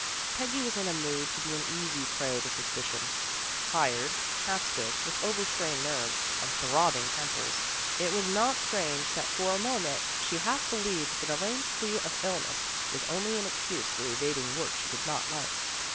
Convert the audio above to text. Peggy was in a mood to be an easy prey to suspicion. Tired, half sick, with over strained nerves, and throbbing temples, it was not strange that for a moment she half believed that Elaine's plea of illness was only an excuse for evading work she did not like.